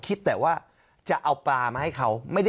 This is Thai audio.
คิดแต่ว่าจะเอาปลามาให้เขา